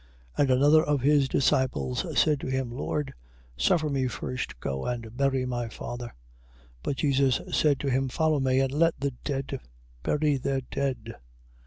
8:21. And another of his disciples said to him: Lord, suffer me first to go and bury my father. 8:22. But Jesus said to him: Follow me, and let the dead bury their dead.